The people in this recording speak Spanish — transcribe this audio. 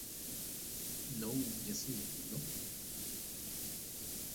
¿no hubiese vivido?